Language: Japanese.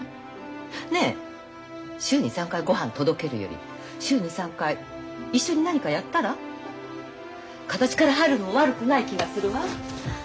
ねえ週２３回ごはん届けるより週２３回一緒に何かやったら？形から入るのも悪くない気がするわ。